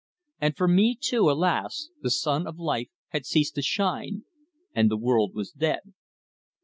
And for me, too, alas! the sun of life had ceased to shine, and the world was dead.